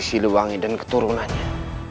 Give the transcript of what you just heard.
si lewangi dan keturunannya